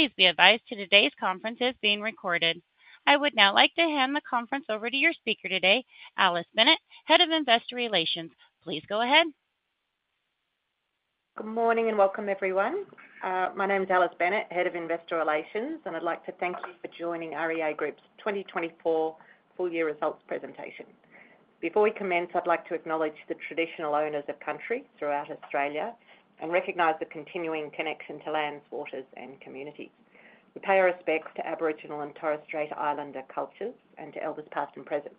Please be advised that today's conference is being recorded. I would now like to hand the conference over to your speaker today, Alice Bennett, Head of Investor Relations. Please go ahead. Good morning, and welcome, everyone. My name is Alice Bennett, Head of Investor Relations, and I'd like to thank you for joining REA Group's 2024 full year results presentation. Before we commence, I'd like to acknowledge the traditional owners of country throughout Australia and recognize the continuing connection to lands, waters, and community. We pay our respects to Aboriginal and Torres Strait Islander cultures and to elders, past and present.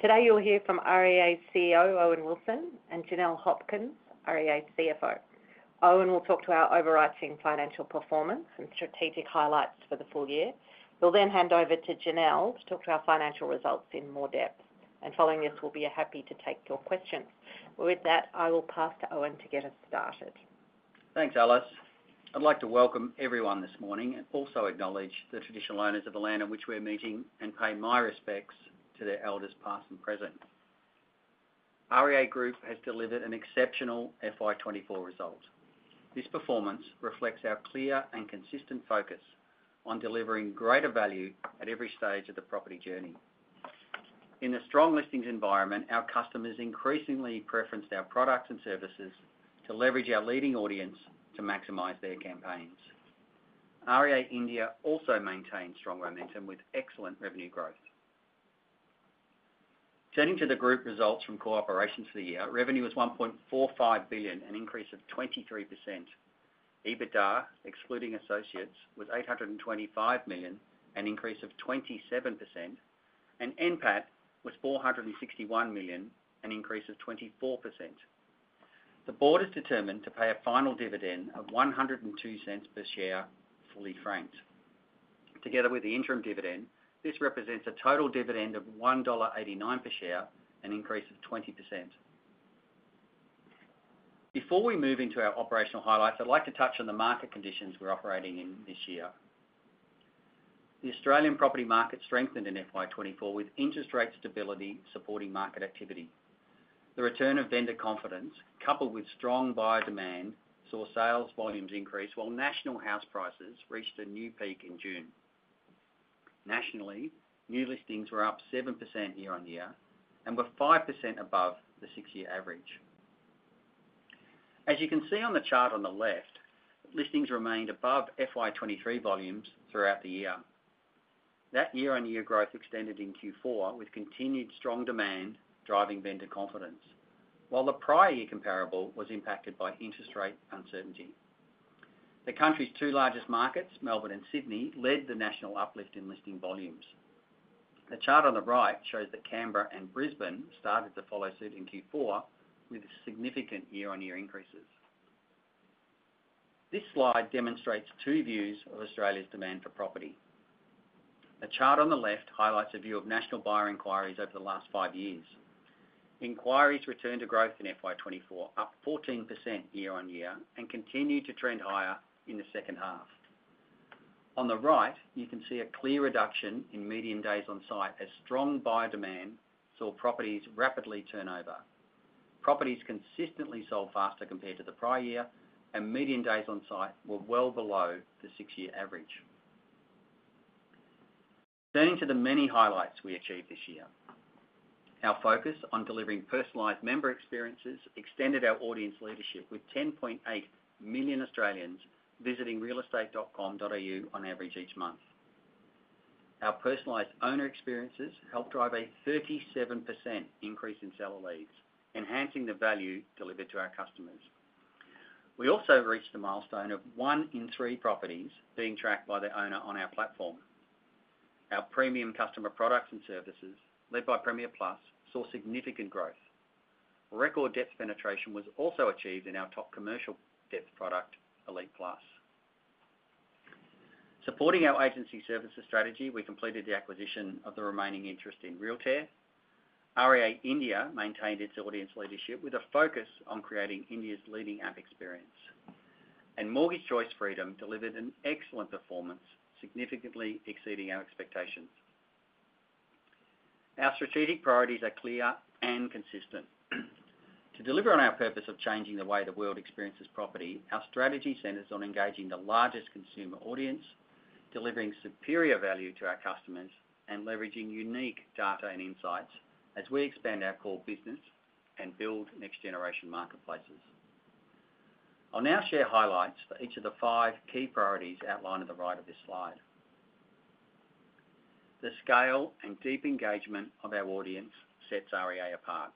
Today, you'll hear from REA's CEO, Owen Wilson, and Janelle Hopkins, REA's CFO. Owen will talk to our overarching financial performance and strategic highlights for the full year. We'll then hand over to Janelle to talk to our financial results in more depth, and following this, we'll be happy to take your questions. With that, I will pass to Owen to get us started. Thanks, Alice. I'd like to welcome everyone this morning and also acknowledge the traditional owners of the land on which we're meeting and pay my respects to their elders, past and present. REA Group has delivered an exceptional FY 2024 result. This performance reflects our clear and consistent focus on delivering greater value at every stage of the property journey. In a strong listings environment, our customers increasingly preferenced our products and services to leverage our leading audience to maximize their campaigns. REA India also maintained strong momentum with excellent revenue growth. Turning to the group results from core operations for the year, revenue was 1.45 billion, an increase of 23%. EBITDA, excluding associates, was 825 million, an increase of 27%, and NPAT was 461 million, an increase of 24%. The board is determined to pay a final dividend of 1.02 per share, fully franked. Together with the interim dividend, this represents a total dividend of 1.89 dollar per share, an increase of 20%. Before we move into our operational highlights, I'd like to touch on the market conditions we're operating in this year. The Australian property market strengthened in FY 2024, with interest rate stability supporting market activity. The return of vendor confidence, coupled with strong buyer demand, saw sales volumes increase, while national house prices reached a new peak in June. Nationally, new listings were up 7% year-on-year and were 5% above the six-year average. As you can see on the chart on the left, listings remained above FY 2023 volumes throughout the year. That year-on-year growth extended in Q4, with continued strong demand driving vendor confidence, while the prior year comparable was impacted by interest rate uncertainty. The country's two largest markets, Melbourne and Sydney, led the national uplift in listing volumes. The chart on the right shows that Canberra and Brisbane started to follow suit in Q4, with significant year-on-year increases. This slide demonstrates two views of Australia's demand for property. The chart on the left highlights a view of national buyer inquiries over the last five years. Inquiries returned to growth in FY 2024, up 14% year-on-year and continued to trend higher in the second half. On the right, you can see a clear reduction in median days on site as strong buyer demand saw properties rapidly turn over. Properties consistently sold faster compared to the prior year, and median days on site were well below the six-year average. Turning to the many highlights we achieved this year. Our focus on delivering personalized member experiences extended our audience leadership, with 10.8 million Australians visiting realestate.com.au on average each month. Our personalized owner experiences helped drive a 37% increase in seller leads, enhancing the value delivered to our customers. We also reached the milestone of one in three properties being tracked by the owner on our platform. Our premium customer products and services, led by Premier Plus, saw significant growth. Record depth penetration was also achieved in our top commercial depth product, Elite Plus. Supporting our agency services strategy, we completed the acquisition of the remaining interest in Realtair. REA India maintained its audience leadership with a focus on creating India's leading app experience. And Mortgage Choice Freedom delivered an excellent performance, significantly exceeding our expectations. Our strategic priorities are clear and consistent. To deliver on our purpose of changing the way the world experiences property, our strategy centers on engaging the largest consumer audience, delivering superior value to our customers, and leveraging unique data and insights as we expand our core business and build next-generation marketplaces. I'll now share highlights for each of the five key priorities outlined at the right of this slide. The scale and deep engagement of our audience sets REA apart.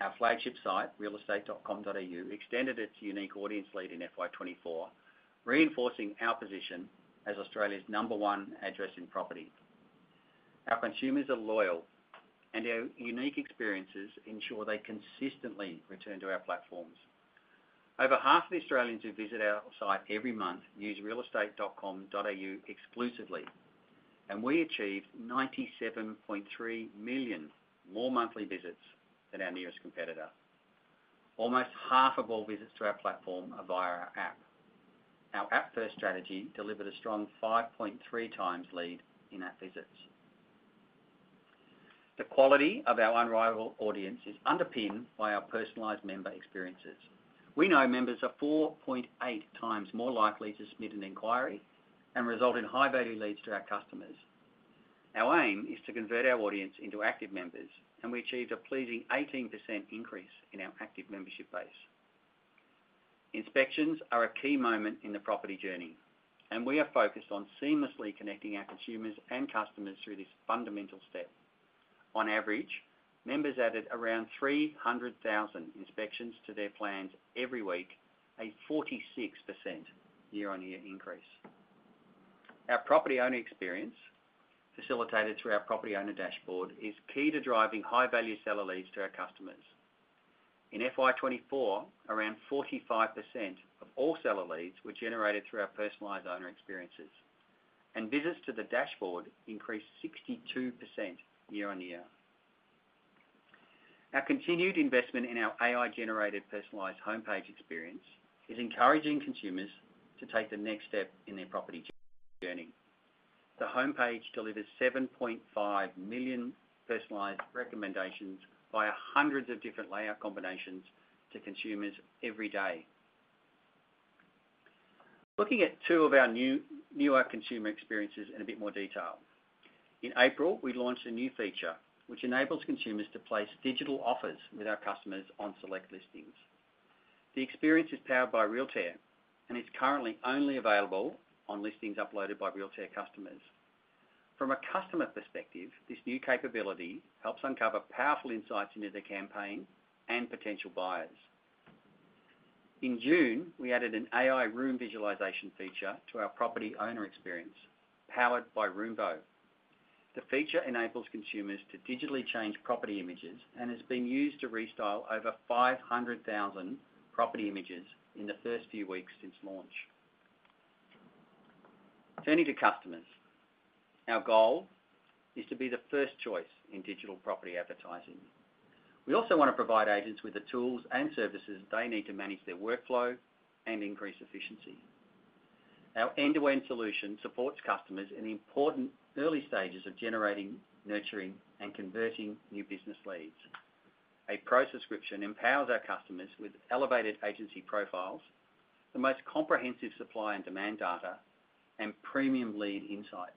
Our flagship site, realestate.com.au, extended its unique audience lead in FY 2024, reinforcing our position as Australia's number one address in property. Our consumers are loyal, and our unique experiences ensure they consistently return to our platforms. Over half of the Australians who visit our site every month use realestate.com.au exclusively, and we achieved 97.3 million more monthly visits than our nearest competitor. Almost half of all visits to our platform are via our app. Our app-first strategy delivered a strong 5.3 times lead in app visits. The quality of our unrivaled audience is underpinned by our personalized member experiences. We know members are 4.8 times more likely to submit an inquiry and result in high-value leads to our customers. Our aim is to convert our audience into active members, and we achieved a pleasing 18% increase in our active membership base. Inspections are a key moment in the property journey, and we are focused on seamlessly connecting our consumers and customers through this fundamental step. On average, members added around 300,000 inspections to their plans every week, a 46% year-on-year increase. Our property owner experience, facilitated through our property owner dashboard, is key to driving high-value seller leads to our customers. In FY 2024, around 45% of all seller leads were generated through our personalized owner experiences, and visits to the dashboard increased 62% year-on-year. Our continued investment in our AI-generated personalized homepage experience is encouraging consumers to take the next step in their property journey. The homepage delivers 7.5 million personalized recommendations via hundreds of different layout combinations to consumers every day. Looking at two of our new, newer consumer experiences in a bit more detail. In April, we launched a new feature, which enables consumers to place digital offers with our customers on select listings. The experience is powered by Realtair, and it's currently only available on listings uploaded by Realtair customers. From a customer perspective, this new capability helps uncover powerful insights into their campaign and potential buyers. In June, we added an AI room visualization feature to our property owner experience, powered by Roomvo. The feature enables consumers to digitally change property images, and has been used to restyle over 500,000 property images in the first few weeks since launch. Turning to customers. Our goal is to be the first choice in digital property advertising. We also wanna provide agents with the tools and services they need to manage their workflow and increase efficiency. Our end-to-end solution supports customers in the important early stages of generating, nurturing, and converting new business leads. A Pro subscription empowers our customers with elevated agency profiles, the most comprehensive supply and demand data, and premium lead insights.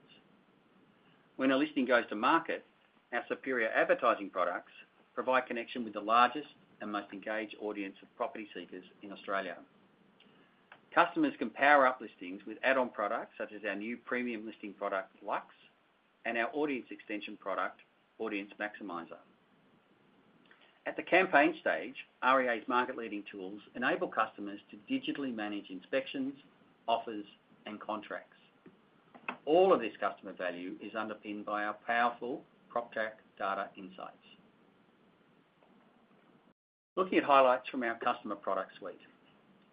When a listing goes to market, our superior advertising products provide connection with the largest and most engaged audience of property seekers in Australia. Customers can power up listings with add-on products, such as our new premium listing product, Luxe, and our audience extension product, Audience Maximizer. At the campaign stage, REA's market-leading tools enable customers to digitally manage inspections, offers, and contracts. All of this customer value is underpinned by our powerful PropTrack data insights. Looking at highlights from our customer product suite.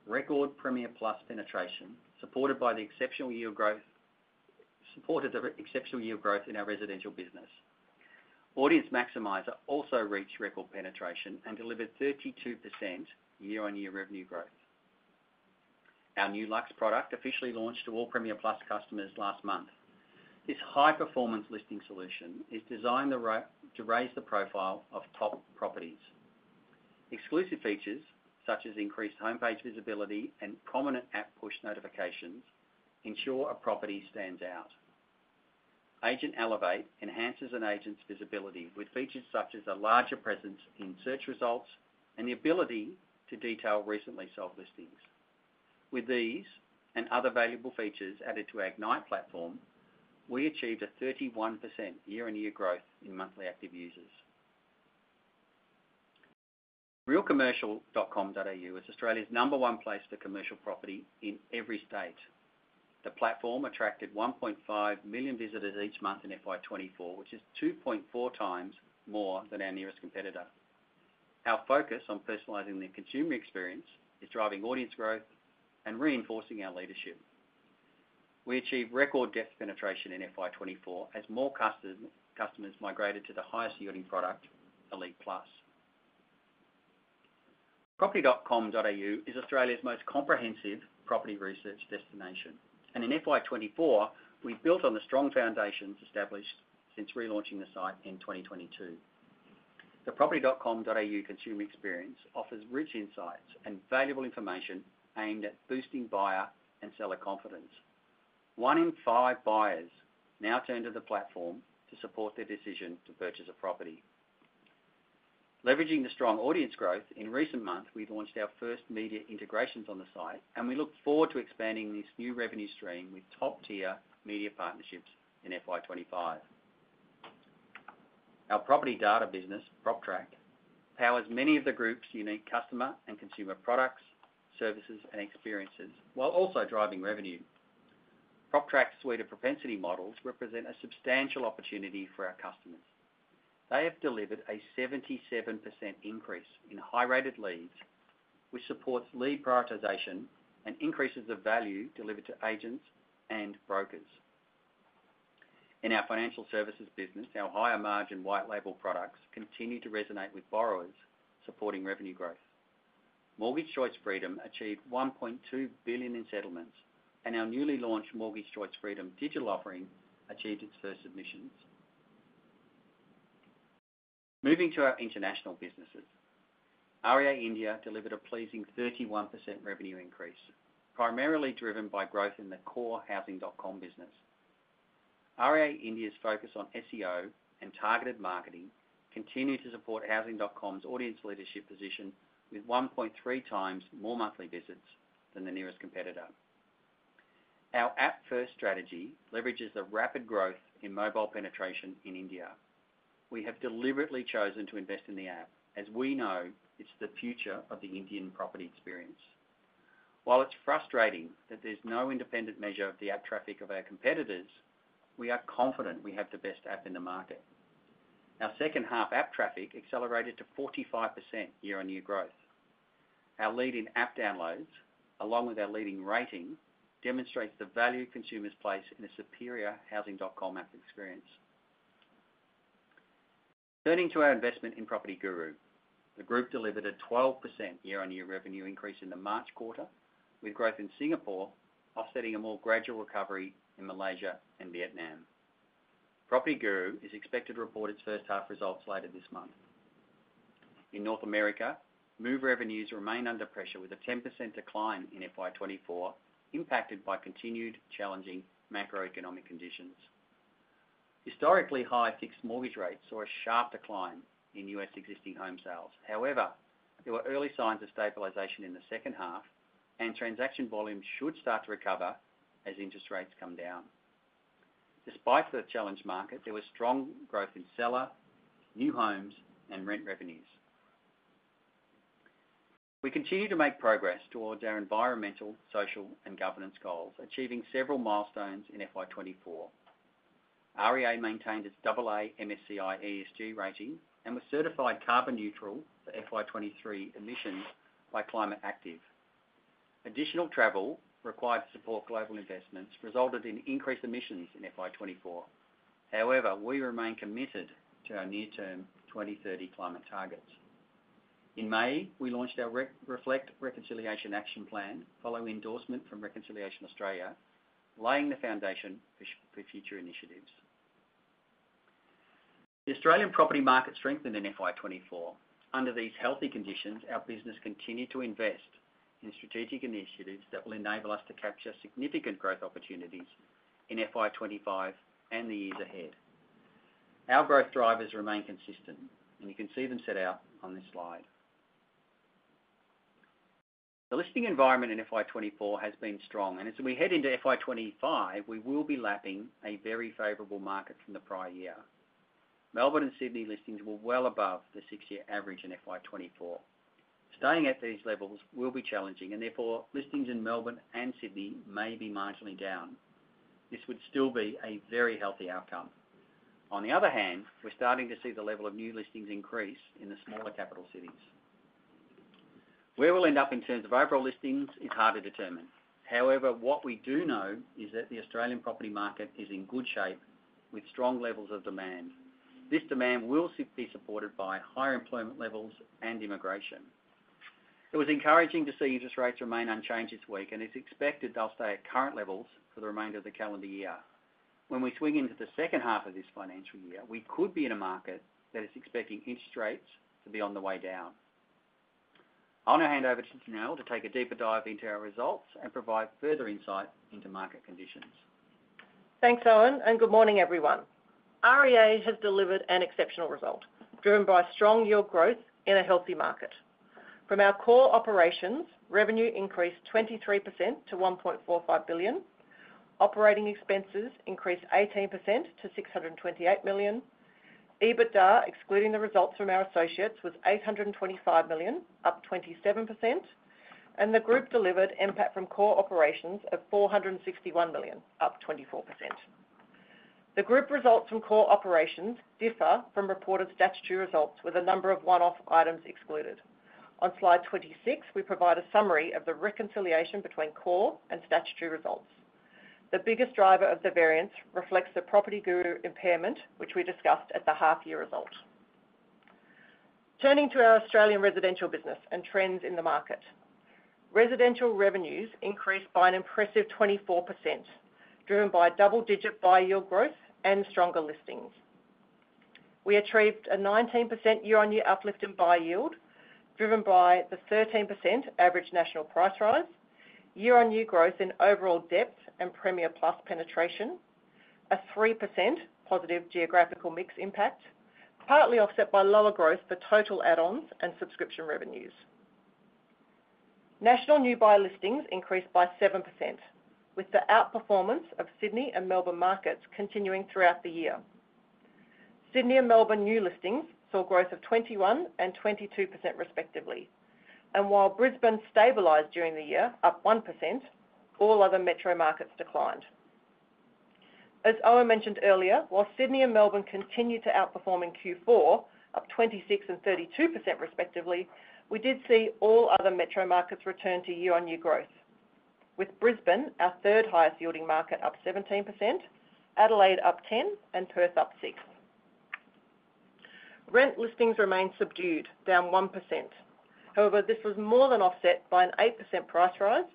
Record Premier Plus penetration, supported by the exceptional year growth in our residential business. Audience Maximizer also reached record penetration and delivered 32% year-on-year revenue growth. Our new Luxe product officially launched to all Premier Plus customers last month. This high-performance listing solution is designed to raise the profile of top properties. Exclusive features, such as increased homepage visibility and prominent app push notifications, ensure a property stands out. Agent Elevate enhances an agent's visibility with features such as a larger presence in search results and the ability to detail recently solved listings. With these and other valuable features added to our Ignite platform, we achieved a 31% year-on-year growth in monthly active users. realcommercial.com.au is Australia's number one place for commercial property in every state. The platform attracted 1.5 million visitors each month in FY 2024, which is 2.4 times more than our nearest competitor. Our focus on personalizing the consumer experience is driving audience growth and reinforcing our leadership. We achieved record depth penetration in FY 2024 as more customers migrated to the highest-yielding product, Elite Plus. property.com.au is Australia's most comprehensive property research destination, and in FY 2024, we built on the strong foundations established since relaunching the site in 2022. The property.com.au consumer experience offers rich insights and valuable information aimed at boosting buyer and seller confidence. One in five buyers now turn to the platform to support their decision to purchase a property. Leveraging the strong audience growth, in recent months, we've launched our first media integrations on the site, and we look forward to expanding this new revenue stream with top-tier media partnerships in FY 2025. Our property data business, PropTrack, powers many of the group's unique customer and consumer products, services, and experiences, while also driving revenue. PropTrack's suite of propensity models represent a substantial opportunity for our customers. They have delivered a 77% increase in high-rated leads, which supports lead prioritization and increases the value delivered to agents and brokers. In our financial services business, our higher-margin white label products continue to resonate with borrowers, supporting revenue growth. Mortgage Choice Freedom achieved 1.2 billion in settlements, and our newly launched Mortgage Choice Freedom digital offering achieved its first submissions. Moving to our international businesses, REA India delivered a pleasing 31% revenue increase, primarily driven by growth in the core Housing.com business. REA India's focus on SEO and targeted marketing continue to support Housing.com's audience leadership position, with 1.3 times more monthly visits than the nearest competitor. Our app-first strategy leverages the rapid growth in mobile penetration in India. We have deliberately chosen to invest in the app, as we know it's the future of the Indian property experience. While it's frustrating that there's no independent measure of the app traffic of our competitors, we are confident we have the best app in the market. Our second half app traffic accelerated to 45% year-on-year growth. Our lead in app downloads, along with our leading rating, demonstrates the value consumers place in a superior Housing.com app experience. Turning to our investment in PropertyGuru, the group delivered a 12% year-on-year revenue increase in the March quarter, with growth in Singapore offsetting a more gradual recovery in Malaysia and Vietnam. PropertyGuru is expected to report its first half results later this month. In North America, Move revenues remain under pressure, with a 10% decline in FY 2024, impacted by continued challenging macroeconomic conditions. Historically, high fixed mortgage rates saw a sharp decline in U.S. existing home sales. However, there were early signs of stabilization in the second half, and transaction volumes should start to recover as interest rates come down. Despite the challenged market, there was strong growth in seller, new homes, and rent revenues. We continue to make progress towards our environmental, social, and governance goals, achieving several milestones in FY 2024. REA maintained its AA MSCI ESG rating and was certified carbon neutral for FY 2023 emissions by Climate Active. Additional travel required to support global investments resulted in increased emissions in FY 2024. However, we remain committed to our near-term 2030 climate targets. In May, we launched our Reflect Reconciliation Action Plan, following endorsement from Reconciliation Australia, laying the foundation for future initiatives. The Australian property market strengthened in FY 2024. Under these healthy conditions, our business continued to invest in strategic initiatives that will enable us to capture significant growth opportunities in FY 2025 and the years ahead. Our growth drivers remain consistent, and you can see them set out on this slide. The listing environment in FY 2024 has been strong, and as we head into FY 2025, we will be lapping a very favorable market from the prior year. Melbourne and Sydney listings were well above the six-year average in FY 2024. Staying at these levels will be challenging, and therefore, listings in Melbourne and Sydney may be marginally down. This would still be a very healthy outcome. On the other hand, we're starting to see the level of new listings increase in the smaller capital cities. Where we'll end up in terms of overall listings is hard to determine. However, what we do know is that the Australian property market is in good shape with strong levels of demand. This demand will be supported by higher employment levels and immigration. It was encouraging to see interest rates remain unchanged this week, and it's expected they'll stay at current levels for the remainder of the calendar year. When we swing into the second half of this financial year, we could be in a market that is expecting interest rates to be on the way down. I'll now hand over to Janelle to take a deeper dive into our results and provide further insight into market conditions. Thanks, Owen, and good morning, everyone. REA has delivered an exceptional result, driven by strong yield growth in a healthy market. From our core operations, revenue increased 23% to 1.45 billion. Operating expenses increased 18% to 628 million. EBITDA, excluding the results from our associates, was 825 million, up 27%, and the group delivered NPAT from core operations of 461 million, up 24%. The group results from core operations differ from reported statutory results, with a number of one-off items excluded. On Slide 26, we provide a summary of the reconciliation between core and statutory results. The biggest driver of the variance reflects the PropertyGuru impairment, which we discussed at the half-year result. Turning to our Australian residential business and trends in the market. Residential revenues increased by an impressive 24%, driven by double-digit buy yield growth and stronger listings. We achieved a 19% year-on-year uplift in buy yield, driven by the 13% average national price rise, year-on-year growth in overall depth and Premier Plus penetration, a 3% positive geographical mix impact, partly offset by lower growth for total add-ons and subscription revenues. National new buyer listings increased by 7%, with the outperformance of Sydney and Melbourne markets continuing throughout the year. Sydney and Melbourne new listings saw growth of 21% and 22% respectively, and while Brisbane stabilized during the year, up 1%, all other metro markets declined. As Owen mentioned earlier, while Sydney and Melbourne continued to outperform in Q4, up 26% and 32% respectively, we did see all other metro markets return to year-on-year growth, with Brisbane, our third highest yielding market, up 17%, Adelaide up 10%, and Perth up 6%. Rent listings remained subdued, down 1%. However, this was more than offset by an 8% price rise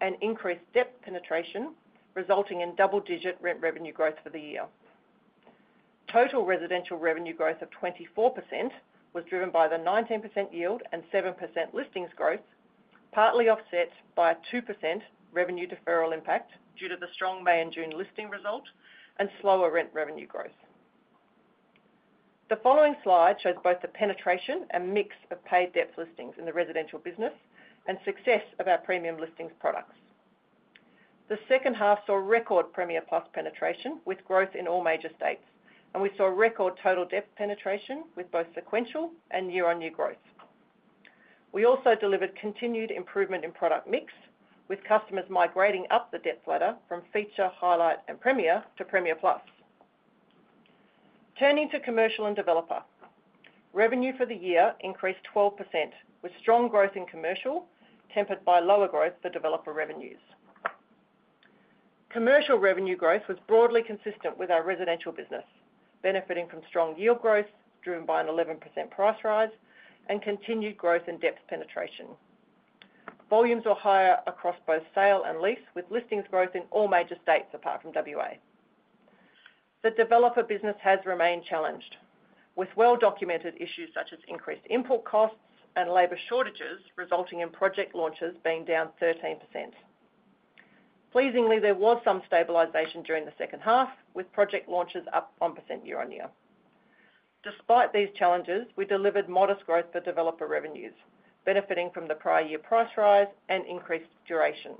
and increased depth penetration, resulting in double-digit rent revenue growth for the year. Total residential revenue growth of 24% was driven by the 19% yield and 7% listings growth, partly offset by a 2% revenue deferral impact due to the strong May and June listing result and slower rent revenue growth. The following slide shows both the penetration and mix of paid depth listings in the residential business and success of our premium listings products. The second half saw record Premier Plus penetration, with growth in all major states, and we saw record total depth penetration with both sequential and year-over-year growth. We also delivered continued improvement in product mix, with customers migrating up the depth ladder from Feature, Highlight, and Premier to Premier Plus. Turning to commercial and developer. Revenue for the year increased 12%, with strong growth in commercial, tempered by lower growth for developer revenues. Commercial revenue growth was broadly consistent with our residential business, benefiting from strong yield growth, driven by an 11% price rise and continued growth in depth penetration. Volumes were higher across both sale and lease, with listings growth in all major states, apart from WA. The developer business has remained challenged, with well-documented issues such as increased input costs and labor shortages, resulting in project launches being down 13%. Pleasingly, there was some stabilization during the second half, with project launches up 1% year-on-year. Despite these challenges, we delivered modest growth for developer revenues, benefiting from the prior year price rise and increased duration.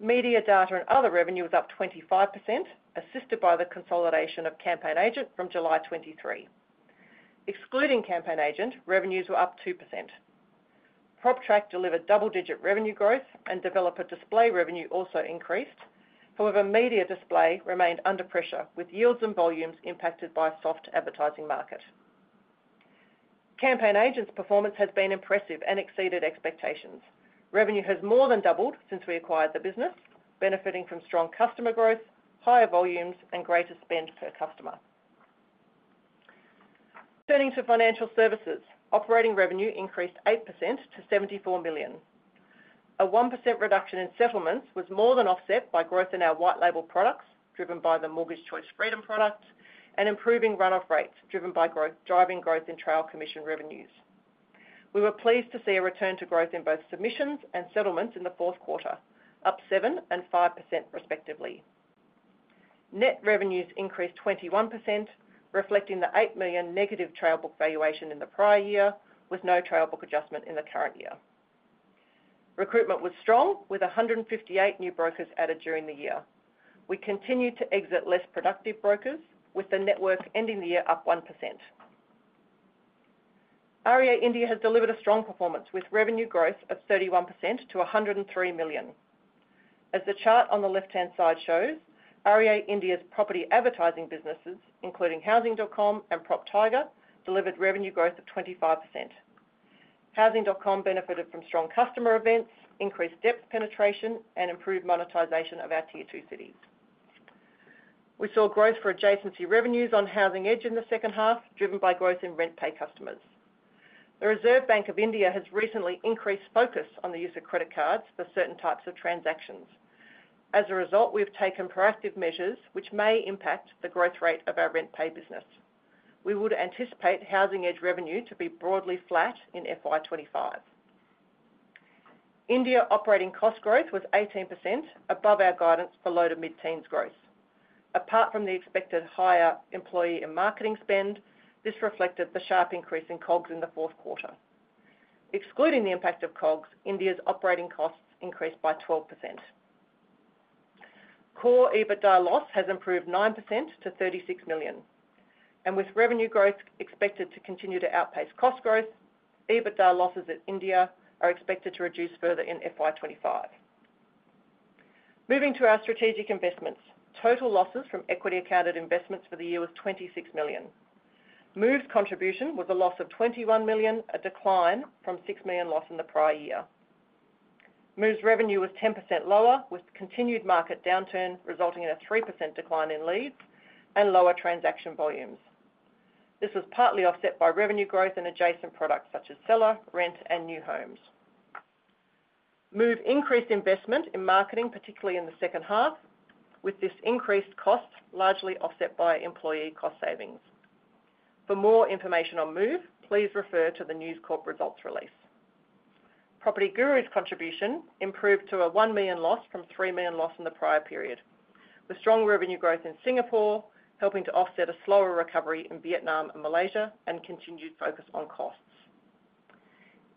Media data and other revenue was up 25%, assisted by the consolidation of CampaignAgent from July 2023. Excluding CampaignAgent, revenues were up 2%. PropTrack delivered double-digit revenue growth and developer display revenue also increased. However, media display remained under pressure, with yields and volumes impacted by a soft advertising market. CampaignAgent's performance has been impressive and exceeded expectations. Revenue has more than doubled since we acquired the business, benefiting from strong customer growth, higher volumes, and greater spend per customer. Turning to financial services, operating revenue increased 8% to 74 million. A 1% reduction in settlements was more than offset by growth in our white label products, driven by the Mortgage Choice Freedom product, and improving run-off rates, driven by growth, driving growth in trail commission revenues. We were pleased to see a return to growth in both submissions and settlements in the fourth quarter, up 7% and 5%, respectively. Net revenues increased 21%, reflecting the 8 million negative trail book valuation in the prior year, with no trail book adjustment in the current year. Recruitment was strong, with 158 new brokers added during the year. We continued to exit less productive brokers, with the network ending the year up 1%. REA India has delivered a strong performance, with revenue growth of 31% to 103 million. As the chart on the left-hand side shows, REA India's property advertising businesses, including Housing.com and PropTiger, delivered revenue growth of 25%. Housing.com benefited from strong customer events, increased depth penetration, and improved monetization of our Tier 2 cities. We saw growth for adjacency revenues on Housing Edge in the second half, driven by growth in RentPay customers. The Reserve Bank of India has recently increased focus on the use of credit cards for certain types of transactions. As a result, we've taken proactive measures, which may impact the growth rate of our RentPay business. We would anticipate Housing Edge revenue to be broadly flat in FY 2025. India operating cost growth was 18%, above our guidance for low to mid-teens growth. Apart from the expected higher employee and marketing spend, this reflected the sharp increase in COGS in the fourth quarter. Excluding the impact of COGS, India's operating costs increased by 12%. Core EBITDA loss has improved 9% to 36 million, and with revenue growth expected to continue to outpace cost growth, EBITDA losses at India are expected to reduce further in FY 2025. Moving to our strategic investments. Total losses from equity accounted investments for the year was 26 million. Move's contribution was a loss of 21 million, a decline from 6 million loss in the prior year. Move's revenue was 10% lower, with continued market downturn, resulting in a 3% decline in leads and lower transaction volumes. This was partly offset by revenue growth in adjacent products such as Seller, Rent, and New Homes. Move increased investment in marketing, particularly in the second half, with this increased cost largely offset by employee cost savings. For more information on Move, please refer to the News Corp results release. PropertyGuru's contribution improved to a 1 million loss from 3 million loss in the prior period, with strong revenue growth in Singapore, helping to offset a slower recovery in Vietnam and Malaysia, and continued focus on costs.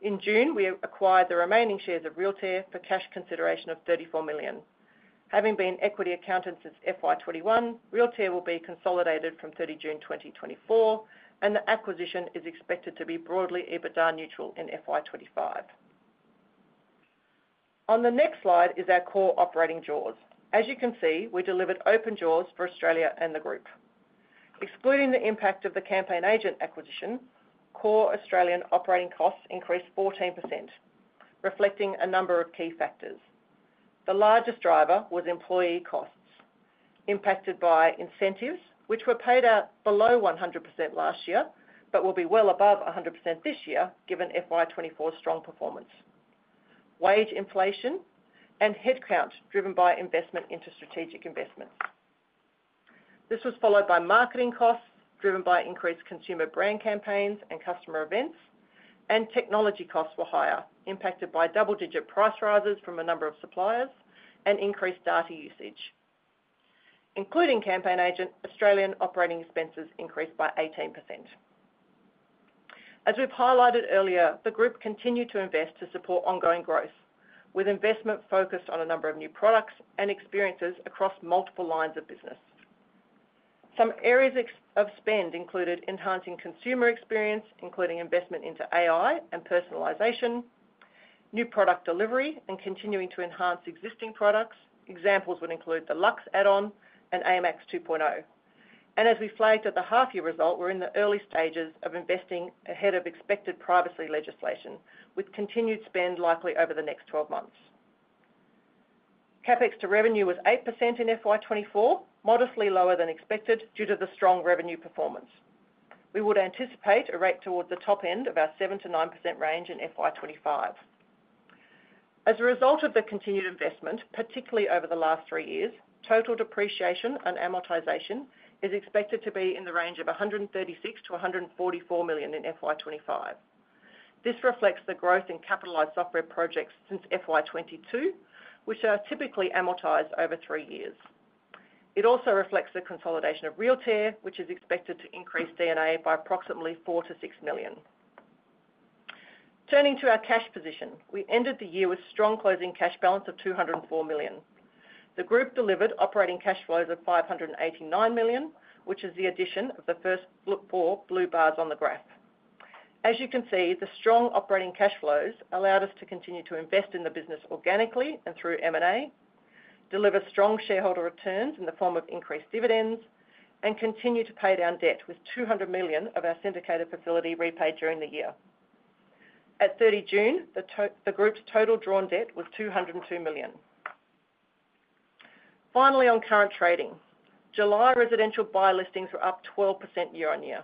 In June, we acquired the remaining shares of Realtair for cash consideration of 34 million. Having been equity accounted since FY 2021, Realtair will be consolidated from 30 June 2024, and the acquisition is expected to be broadly EBITDA neutral in FY 2025. On the next slide is our core operating jaws. As you can see, we delivered open jaws for Australia and the group. Excluding the impact of the CampaignAgent acquisition, core Australian operating costs increased 14%, reflecting a number of key factors. The largest driver was employee costs, impacted by incentives, which were paid out below 100% last year, but will be well above 100% this year, given FY 2024's strong performance. Wage inflation and headcount, driven by investment into strategic investments. This was followed by marketing costs, driven by increased consumer brand campaigns and customer events, and technology costs were higher, impacted by double-digit price rises from a number of suppliers and increased data usage. Including CampaignAgent, Australian operating expenses increased by 18%. As we've highlighted earlier, the group continued to invest to support ongoing growth, with investment focused on a number of new products and experiences across multiple lines of business. Some areas of spend included enhancing consumer experience, including investment into AI and personalization, new product delivery, and continuing to enhance existing products. Examples would include the Luxe add-on and AMX 2.0. As we flagged at the half-year result, we're in the early stages of investing ahead of expected privacy legislation, with continued spend likely over the next 12 months. CapEx to revenue was 8% in FY 2024, modestly lower than expected due to the strong revenue performance. We would anticipate a rate toward the top end of our 7%-9% range in FY 2025. As a result of the continued investment, particularly over the last three years, total depreciation and amortization is expected to be in the range of 136 million-144 million in FY 2025. This reflects the growth in capitalized software projects since FY 2022, which are typically amortized over three years. It also reflects the consolidation of Realtair, which is expected to increase EBITDA by approximately four to six million. Turning to our cash position, we ended the year with strong closing cash balance of 204 million. The group delivered operating cash flows of 589 million, which is the addition of the first four blue bars on the graph. As you can see, the strong operating cash flows allowed us to continue to invest in the business organically and through M&A, deliver strong shareholder returns in the form of increased dividends, and continue to pay down debt with 200 million of our syndicated facility repaid during the year. At 30 June, the group's total drawn debt was 202 million. Finally, on current trading, July residential buy listings are up 12% year-on-year,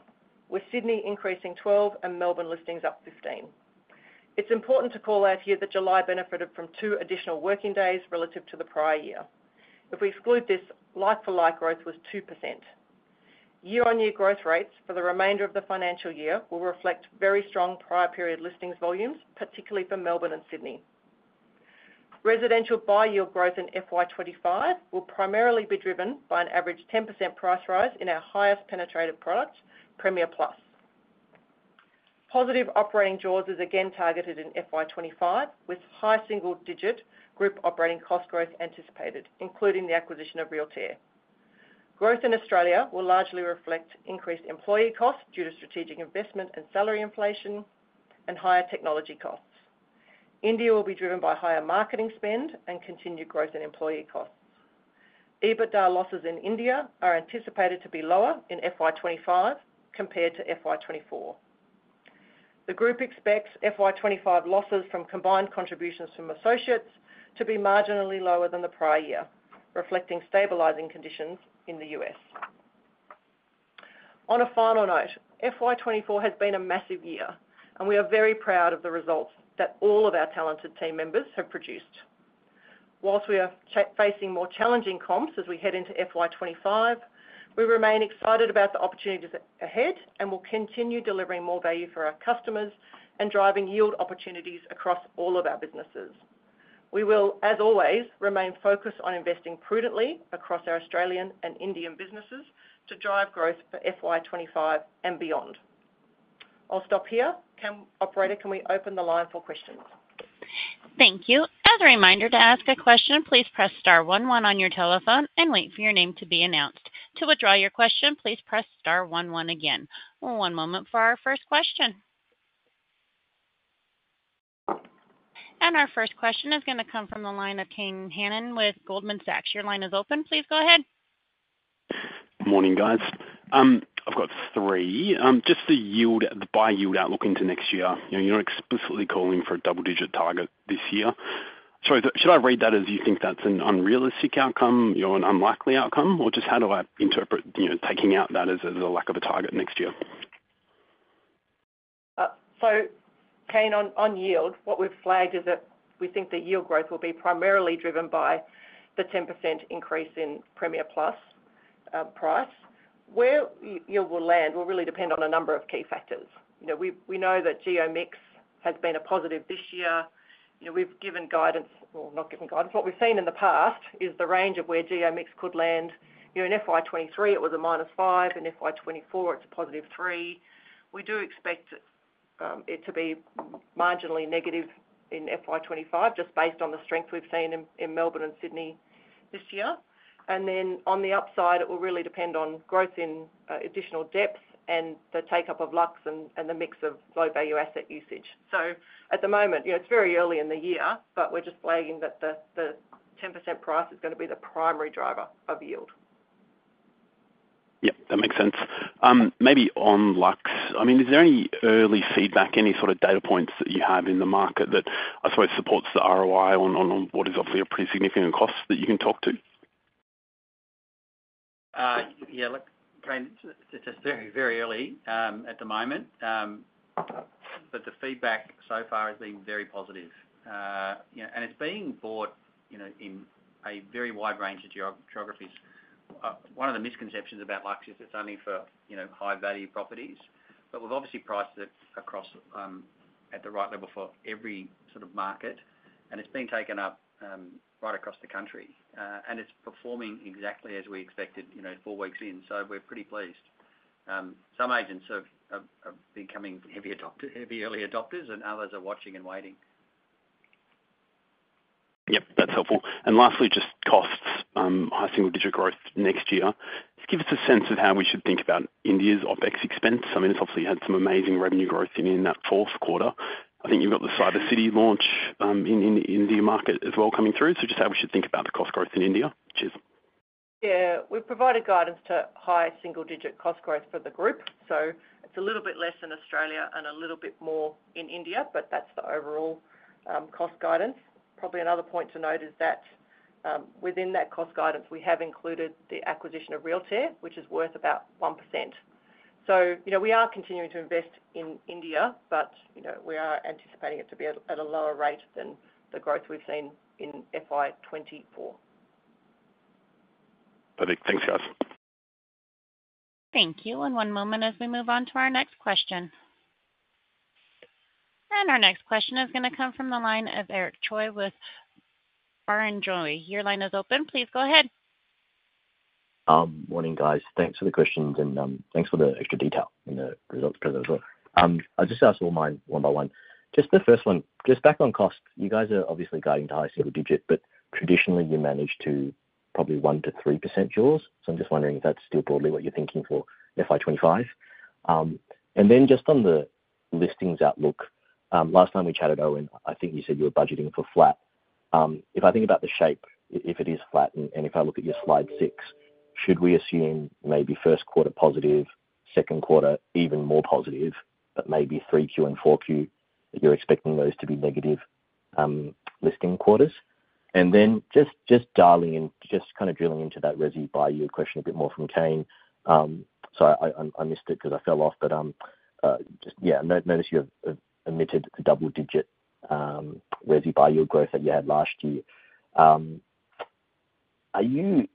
with Sydney increasing 12 and Melbourne listings up 15. It's important to call out here that July benefited from two additional working days relative to the prior year. If we exclude this, like-for-like growth was 2%. Year-on-year growth rates for the remainder of the financial year will reflect very strong prior period listings volumes, particularly for Melbourne and Sydney. Residential buy yield growth in FY 2025 will primarily be driven by an average 10% price rise in our highest penetrative product, Premier Plus. Positive operating jaws is again targeted in FY 2025, with high single-digit group operating cost growth anticipated, including the acquisition of Realtair. Growth in Australia will largely reflect increased employee costs due to strategic investment and salary inflation and higher technology costs. India will be driven by higher marketing spend and continued growth in employee costs. EBITDA losses in India are anticipated to be lower in FY 2025 compared to FY 2024. The group expects FY 2025 losses from combined contributions from associates to be marginally lower than the prior year, reflecting stabilizing conditions in the U.S. On a final note, FY 2024 has been a massive year, and we are very proud of the results that all of our talented team members have produced. While we are facing more challenging comps as we head into FY 2025, we remain excited about the opportunities ahead, and we'll continue delivering more value for our customers and driving yield opportunities across all of our businesses. We will, as always, remain focused on investing prudently across our Australian and Indian businesses to drive growth for FY 2025 and beyond. I'll stop here. Operator, can we open the line for questions? Thank you. As a reminder, to ask a question, please press star one one on your telephone and wait for your name to be announced. To withdraw your question, please press star one one again. One moment for our first question. And our first question is gonna come from the line of Kane Hannan with Goldman Sachs. Your line is open. Please go ahead. Morning, guys. I've got three. Just the yield, the buy yield outlook into next year. You know, you're explicitly calling for a double-digit target this year. Sorry, should I read that as you think that's an unrealistic outcome or an unlikely outcome? Or just how do I interpret, you know, taking out that as a, as a lack of a target next year? So Kane, on yield, what we've flagged is that we think the yield growth will be primarily driven by the 10% increase in Premier Plus price. Where yield will land will really depend on a number of key factors. You know, we know that geo mix has been a positive this year. You know, we've given guidance, or not given guidance. What we've seen in the past is the range of where geo mix could land. You know, in FY 2023, it was a -5, in FY 2024, it's a +3. We do expect it to be marginally negative in FY 2025, just based on the strength we've seen in Melbourne and Sydney this year. Then on the upside, it will really depend on growth in additional depth and the take-up of Luxe and the mix of low-value asset usage. So at the moment, you know, it's very early in the year, but we're just flagging that the 10% price is gonna be the primary driver of yield. Yep, that makes sense. Maybe on Luxe, I mean, is there any early feedback, any sort of data points that you have in the market that I suppose supports the ROI on, on what is obviously a pretty significant cost that you can talk to? Yeah, look, Kane, it's very early at the moment. But the feedback so far has been very positive. You know, and it's being bought, you know, in a very wide range of geographies. One of the misconceptions about Luxe is it's only for, you know, high-value properties, but we've obviously priced it across at the right level for every sort of market, and it's been taken up right across the country. And it's performing exactly as we expected, you know, four weeks in, so we're pretty pleased. Some agents have been heavy early adopters, and others are watching and waiting. Yep, that's helpful. And lastly, just costs, high single digit growth next year. Just give us a sense of how we should think about India's OpEx expense. I mean, it's obviously had some amazing revenue growth in that fourth quarter. I think you've got the Cyber City launch in the India market as well, coming through. So just how we should think about the cost growth in India? Cheers. Yeah, we've provided guidance to high single digit cost growth for the group, so it's a little bit less in Australia and a little bit more in India, but that's the overall, cost guidance. Probably another point to note is that, within that cost guidance, we have included the acquisition of Realtair, which is worth about 1%. So, you know, we are continuing to invest in India, but, you know, we are anticipating it to be at, at a lower rate than the growth we've seen in FY 2024. Perfect. Thanks, guys. Thank you, and one moment as we move on to our next question. Our next question is gonna come from the line of Eric Choi with Barrenjoey. Your line is open. Please go ahead. Morning, guys. Thanks for the questions, and thanks for the extra detail in the results presentation. I'll just ask all mine one by one. Just the first one, just back on costs. You guys are obviously guiding to high single digit, but traditionally you managed to probably 1%-3% jaws. So I'm just wondering if that's still broadly what you're thinking for FY 25. And then just on the listings outlook, last time we chatted, Owen, I think you said you were budgeting for flat. If I think about the shape, if it is flat, and if I look at your slide six, should we assume maybe first quarter positive, second quarter even more positive, but maybe 3Q and 4Q, you're expecting those to be negative, listing quarters? Then just dialing in, just kind of drilling into that resi buy yield question a bit more from Kane. So I missed it 'cause I fell off, but just, yeah, I noticed you have admitted a double-digit resi buy yield growth that you had last year. Are you—I mean,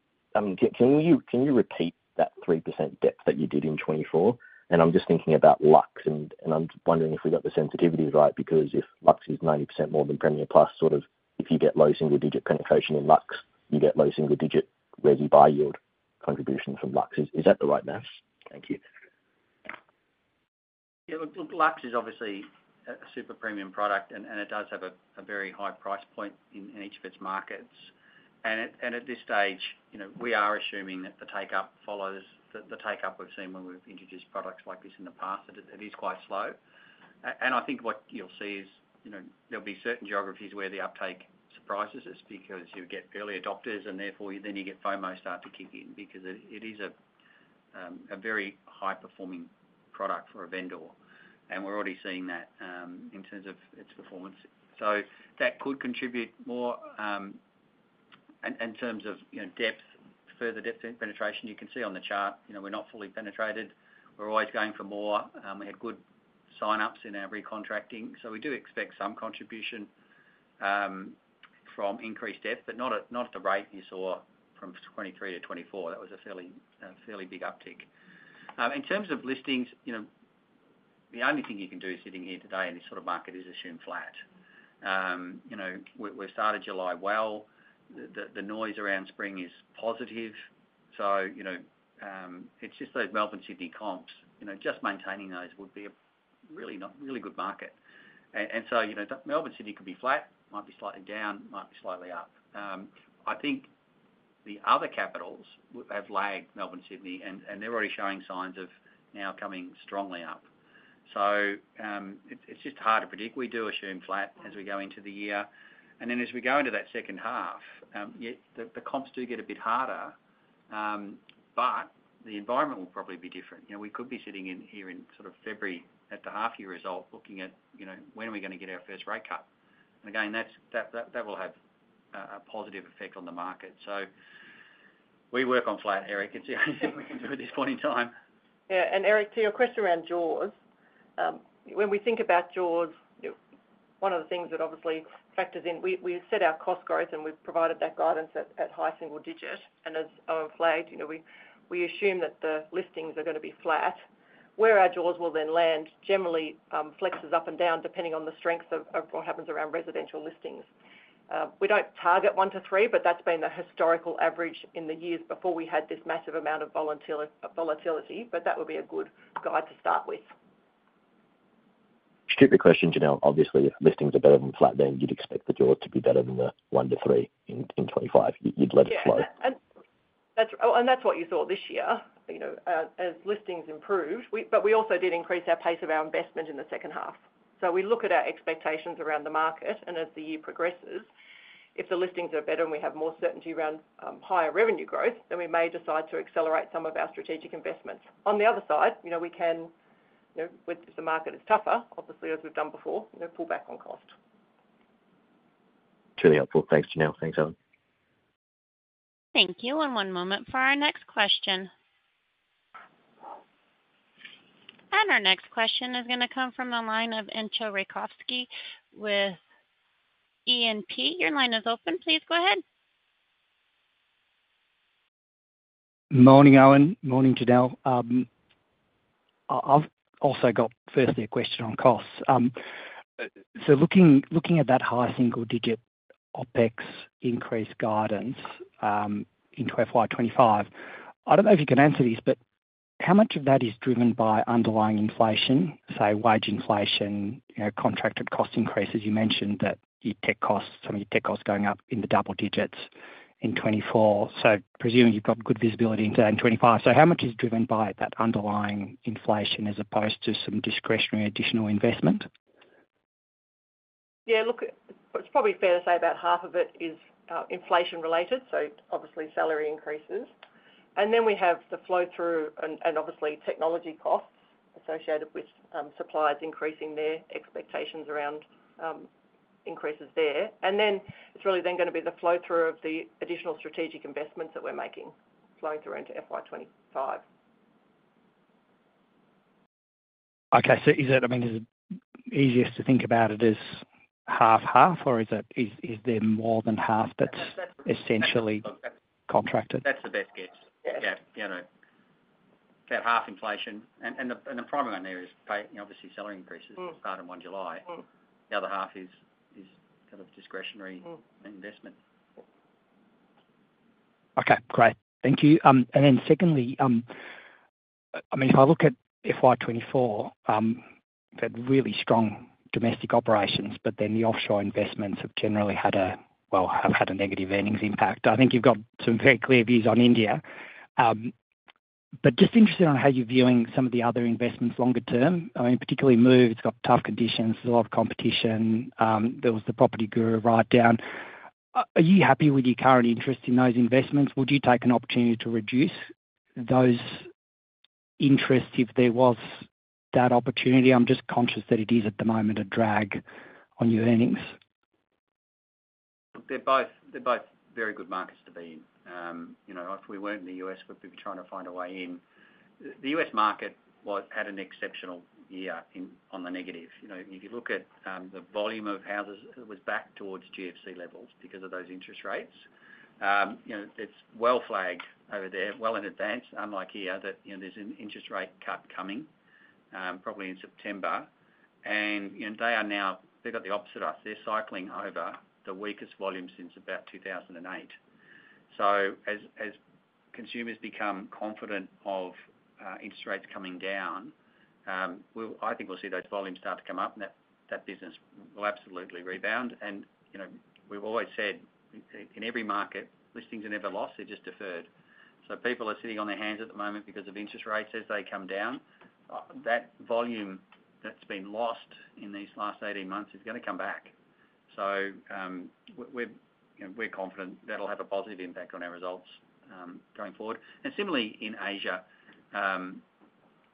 can you repeat that 3% depth that you did in 2024? And I'm just thinking about Luxe, and I'm wondering if we got the sensitivities right, because if Luxe is 90% more than Premier Plus, sort of, if you get low single-digit penetration in Luxe, you get low single-digit resi buy yield contribution from Luxe. Is that the right math? Thank you. Yeah, look, Luxe is obviously a super premium product, and it does have a very high price point in each of its markets. And at this stage, you know, we are assuming that the take-up follows the take-up we've seen when we've introduced products like this in the past, that it is quite slow. And I think what you'll see is, you know, there'll be certain geographies where the uptake surprises us because you'll get early adopters, and therefore you get FOMO start to kick in because it is a very high-performing product for a vendor, and we're already seeing that in terms of its performance. So that could contribute more in terms of, you know, depth, further depth penetration. You can see on the chart, you know, we're not fully penetrated. We're always going for more. We had good signups in our recontracting, so we do expect some contribution from increased depth, but not at, not at the rate you saw from 2023 to 2024. That was a fairly big uptick. In terms of listings, you know, the only thing you can do sitting here today in this sort of market is assume flat. You know, we've started July well. The noise around spring is positive, so, you know, it's just those Melbourne, Sydney comps, you know, just maintaining those would be a really not really good market. And so, you know, Melbourne, Sydney could be flat, might be slightly down, might be slightly up. I think the other capitals have lagged Melbourne and Sydney, and they're already showing signs of now coming strongly up. So, it's just hard to predict. We do assume flat as we go into the year, and then as we go into that second half, yeah, the comps do get a bit harder, but the environment will probably be different. You know, we could be sitting in here in sort of February at the half-year result, looking at, you know, when are we gonna get our first rate cut? And again, that will have a positive effect on the market. So we work on flat, Eric. It's the only thing we can do at this point in time. Yeah, and Eric, to your question around Jaws, when we think about Jaws, one of the things that obviously factors in, we set our cost growth, and we've provided that guidance at high single digit. And as Owen flagged, you know, we assume that the listings are gonna be flat. Where our Jaws will then land generally flexes up and down, depending on the strength of what happens around residential listings. We don't target one to three, but that's been the historical average in the years before we had this massive amount of volatility, but that would be a good guide to start with. Stupid question, Janelle. Obviously, if listings are better than flat, then you'd expect the Jaws to be better than the one to three in 2025. You'd let it flow. Yeah, and that's what you saw this year, you know, as listings improved. But we also did increase our pace of our investment in the second half. So we look at our expectations around the market, and as the year progresses, if the listings are better and we have more certainty around higher revenue growth, then we may decide to accelerate some of our strategic investments. On the other side, you know, we can, you know, if the market is tougher, obviously, as we've done before, you know, pull back on cost. Truly helpful. Thanks, Janelle. Thanks, Owen. Thank you, and one moment for our next question. Our next question is gonna come from the line of Entcho Raykovski with E&P. Your line is open. Please go ahead. Morning, Owen. Morning, Janelle. I've also got, firstly, a question on costs. So looking at that high single digit OpEx increase guidance into FY 25, I don't know if you can answer this, but how much of that is driven by underlying inflation, say, wage inflation, you know, contracted cost increases? You mentioned that your tech costs, some of your tech costs going up in the double digits in 24. So presuming you've got good visibility in 25, so how much is driven by that underlying inflation as opposed to some discretionary additional investment? Yeah, look, it's probably fair to say about half of it is inflation related, so obviously salary increases. And then we have the flow-through and obviously technology costs associated with suppliers increasing their expectations around increases there. And then it's really then gonna be the flow-through of the additional strategic investments that we're making flowing through into FY 25. Okay. So is it, I mean, is it easiest to think about it as 50/50, or is it, is, is there more than half that's essentially contracted? That's the best guess. Yeah. You know, about half inflation, and the primary one there is pay, you know, obviously salary increases- starting on July. The other half is kind of discretionary- -investment. Okay, great. Thank you. And then secondly, I mean, if I look at FY 2024, they've had really strong domestic operations, but then the offshore investments have generally had a, well, have had a negative earnings impact. I think you've got some very clear views on India. But just interested on how you're viewing some of the other investments longer term. I mean, particularly Move, it's got tough conditions, a lot of competition. There was the PropertyGuru write-down. Are you happy with your current interest in those investments? Would you take an opportunity to reduce those interests if there was that opportunity? I'm just conscious that it is, at the moment, a drag on your earnings. They're both, they're both very good markets to be in. You know, if we weren't in the U.S., we'd be trying to find a way in. The U.S. market was, had an exceptional year in, on the negative. You know, if you look at, the volume of houses, it was back towards GFC levels because of those interest rates. You know, it's well flagged over there, well in advance, unlike here, that, you know, there's an interest rate cut coming, probably in September. And, you know, they are now, they've got the opposite of us. They're cycling over the weakest volume since about 2008. So as, as consumers become confident of, interest rates coming down, we'll, I think we'll see those volumes start to come up, and that, that business will absolutely rebound. You know, we've always said, in every market, listings are never lost, they're just deferred. So people are sitting on their hands at the moment because of interest rates as they come down. That volume that's been lost in these last 18 months is gonna come back. So, we're, you know, we're confident that'll have a positive impact on our results, going forward. And similarly, in Asia,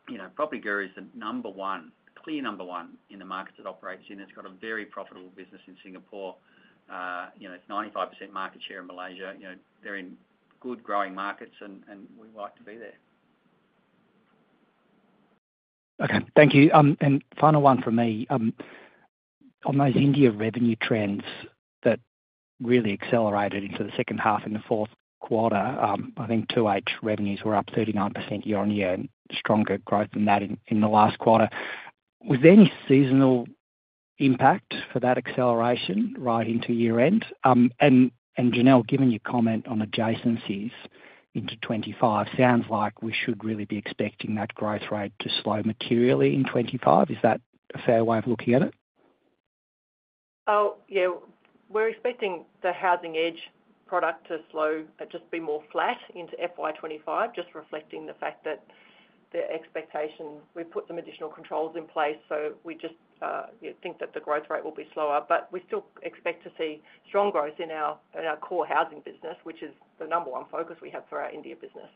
you know, PropertyGuru is the number one, clear number one in the markets it operates in. It's got a very profitable business in Singapore. You know, it's 95% market share in Malaysia. You know, they're in good growing markets, and we like to be there. Okay. Thank you. And final one from me. On those India revenue trends that really accelerated into the second half in the fourth quarter, I think 2H revenues were up 39% year-on-year and stronger growth than that in the last quarter. Was there any seasonal impact for that acceleration right into year-end? And Janelle, given your comment on adjacencies into 2025, sounds like we should really be expecting that growth rate to slow materially in 2025. Is that a fair way of looking at it? Oh, yeah. We're expecting the Housing Edge product to slow, just be more flat into FY25, just reflecting the fact that the expectation, we've put some additional controls in place, so we just think that the growth rate will be slower. But we still expect to see strong growth in our, in our core housing business, which is the number one focus we have for our India business.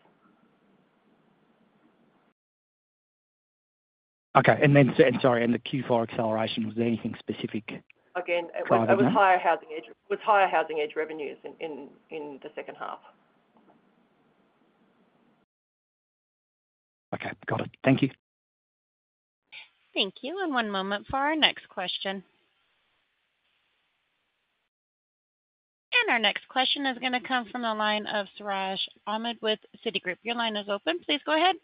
Okay. And then, sorry, and the Q4 acceleration, was there anything specific? Again- to that one? It was higher Housing Edge, it was higher Housing Edge revenues in the second half. Okay, got it. Thank you. Thank you, and one moment for our next question. Our next question is gonna come from the line of Siraj Ahmed with Citigroup. Your line is open. Please go ahead.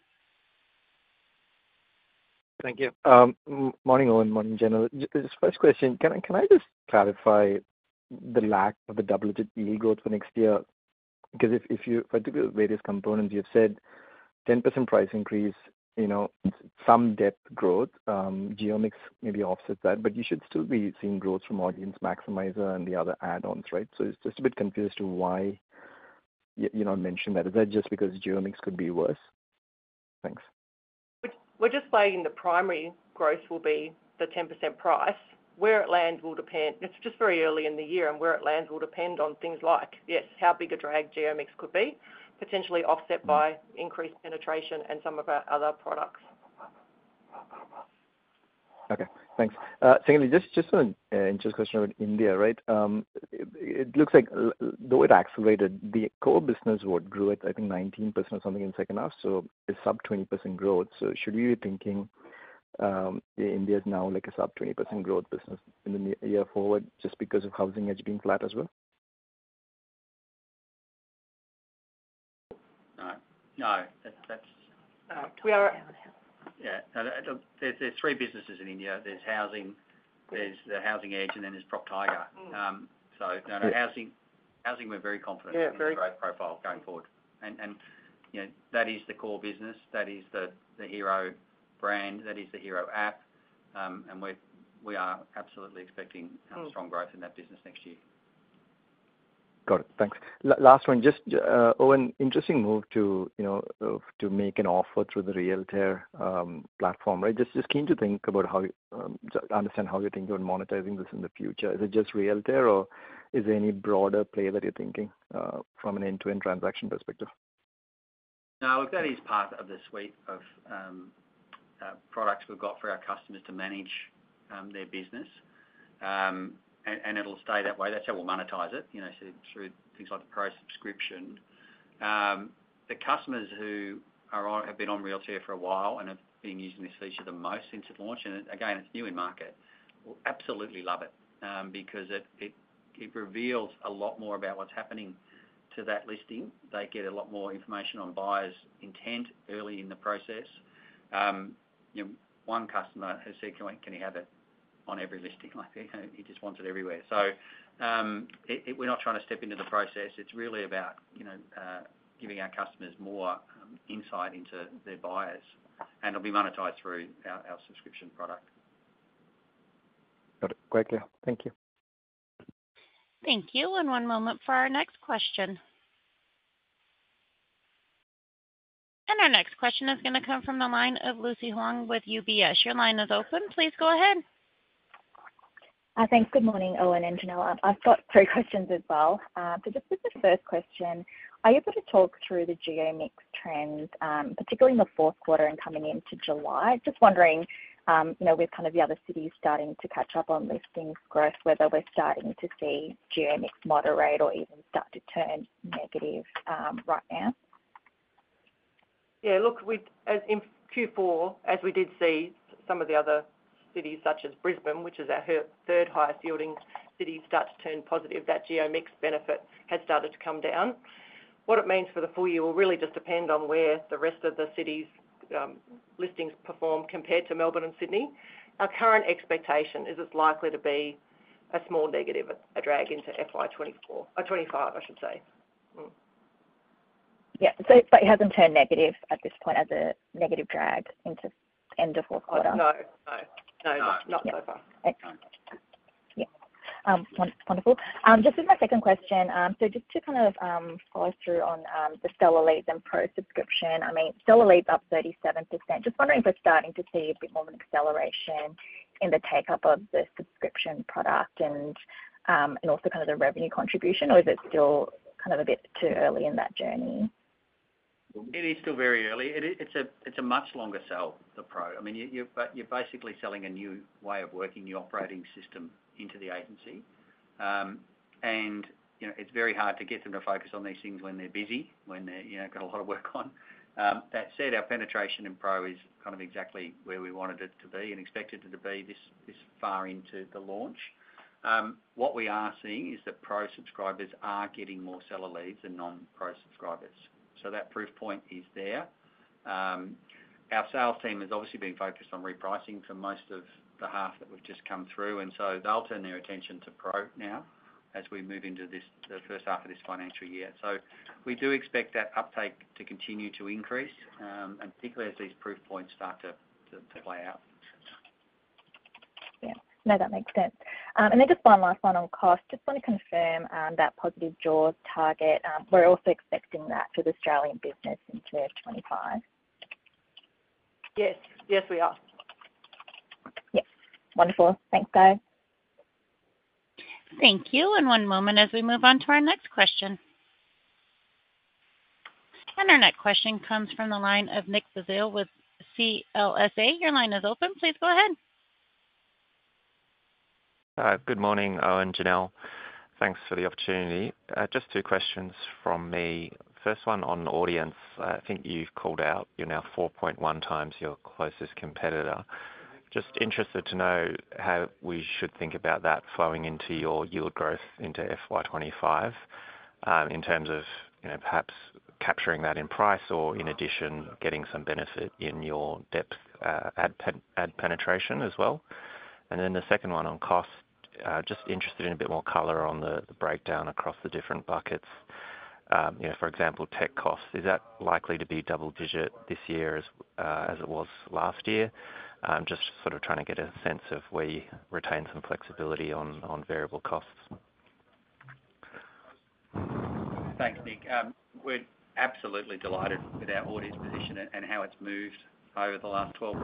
Thank you. Morning, Owen, morning, Janelle. Just first question, can I just clarify the lack of the double-digit EBIT growth for next year? Because if you look at the various components, you've said 10% price increase, you know, some depth growth, geo mix maybe offsets that, but you should still be seeing growth from Audience Maximizer and the other add-ons, right? So it's just a bit confused to why you don't mention that. Is that just because geo mix could be worse? Thanks. We're, we're just saying the primary growth will be the 10% price. Where it lands will depend. It's just very early in the year, and where it lands will depend on things like, yes, how big a drag geo mix could be, potentially offset by increased penetration and some of our other products. Okay, thanks. Secondly, just, just on, just a question about India, right? It looks like, though it accelerated the core business, what grew at, I think, 19% or something in the second half, so it's sub-20% growth. So should we be thinking, India is now like a sub-20% growth business in the year forward just because of Housing Edge being flat as well? No, no, that, that's- We are- Yeah. No, there's, there's three businesses in India. There's Housing, there's the Housing Edge, and then there's PropTiger. So, no, no housing. Housing, we're very confident- Yeah, very- In growth profile going forward. And you know, that is the core business. That is the Hero brand, that is the Hero app. And we are absolutely expecting,... strong growth in that business next year. Got it. Thanks. Last one, just, Owen, interesting move to, you know, to make an offer through the Realtair platform, right? Just keen to think about how, understand how you're thinking on monetizing this in the future. Is it just Realtair, or is there any broader play that you're thinking, from an end-to-end transaction perspective? No, that is part of the suite of products we've got for our customers to manage their business. And it'll stay that way. That's how we'll monetize it, you know, so through things like the Pro subscription. The customers who are on, have been on Realtair for a while and have been using this feature the most since it launched, and again, it's new in market, absolutely love it, because it reveals a lot more about what's happening to that listing. They get a lot more information on buyers' intent early in the process. You know, one customer has said, "Can we, can you have it on every listing?" Like, you know, he just wants it everywhere. So, we're not trying to step into the process. It's really about, you know, giving our customers more insight into their buyers, and it'll be monetized through our subscription product. Got it. Great, clear. Thank you. Thank you, and one moment for our next question. Our next question is gonna come from the line of Lucy Huang with UBS. Your line is open. Please go ahead. Thanks. Good morning, Owen and Janelle. I've got three questions as well. So just as the first question, are you able to talk through the geo mix trends, particularly in the fourth quarter and coming into July? Just wondering, you know, with kind of the other cities starting to catch up on listings growth, whether we're starting to see geo mix moderate or even start to turn negative, right now? Yeah, look, we, as in Q4, as we did see some of the other cities, such as Brisbane, which is our third highest yielding city, start to turn positive, that geo mix benefit has started to come down. What it means for the full year will really just depend on where the rest of the cities, listings perform compared to Melbourne and Sydney. Our current expectation is it's likely to be a small negative, a drag into FY 2025, I should say. Yeah. So it, but it hasn't turned negative at this point as a negative drag into end of fourth quarter? No, no. No, no. No. Not so far. Yep. Wonderful. Just as my second question, so just to kind of follow through on the seller leads and Pro subscription, I mean, seller leads up 37%. Just wondering if we're starting to see a bit more of an acceleration in the take-up of the subscription product and, and also kind of the revenue contribution, or is it still kind of a bit too early in that journey? It is still very early. It is a much longer sell, the Pro. I mean, you're basically selling a new way of working, new operating system into the agency. And, you know, it's very hard to get them to focus on these things when they're busy, when they're, you know, got a lot of work on. That said, our penetration in Pro is kind of exactly where we wanted it to be and expected it to be this far into the launch. What we are seeing is that Pro subscribers are getting more seller leads than non-Pro subscribers, so that proof point is there. Our sales team has obviously been focused on repricing for most of the half that we've just come through, and so they'll turn their attention to Pro now as we move into this, the first half of this financial year. So we do expect that uptake to continue to increase, and particularly as these proof points start to play out. Yeah. No, that makes sense. And then just one last one on cost. Just want to confirm, that positive jaws target, we're also expecting that for the Australian business in FY25? Yes. Yes, we are. Yep. Wonderful. Thanks, guys. Thank you, and one moment as we move on to our next question. Our next question comes from the line of Nick Basile. Your line is open. Please go ahead. Good morning, Owen, Janelle. Thanks for the opportunity. Just two questions from me. First one on audience, I think you've called out you're now 4.1 times your closest competitor. Just interested to know how we should think about that flowing into your yield growth into FY25, in terms of, you know, perhaps capturing that in price or in addition, getting some benefit in your depth ad penetration as well. And then the second one on cost, just interested in a bit more color on the breakdown across the different buckets. You know, for example, tech costs, is that likely to be double-digit this year as it was last year? Just sort of trying to get a sense of where you retain some flexibility on variable costs. Thanks, Nick. We're absolutely delighted with our audience position and how it's moved over the last 12